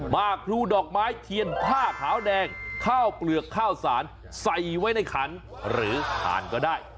มากพลูดอกไม้เทียนผ้าขาวแดงข้าวเปลือกข้าวสารใส่ไว้ในขันหรือถ่านก็ได้